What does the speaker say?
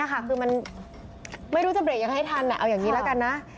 คือมันไม่รู้จะเบรกยังไงให้ทันเอาอย่างนี้แล้วกันนะ